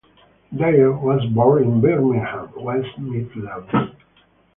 Dyer was born in Birmingham, West Midlands.